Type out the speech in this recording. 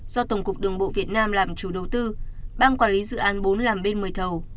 do tổng cục đường bộ việt nam làm chủ đầu tư bang quản lý dự án bốn làm bên một mươi thầu